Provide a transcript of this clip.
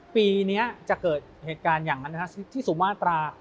ปีนี้จะเกิดเหตุการณ์อย่างนั้นที่สุมาตรา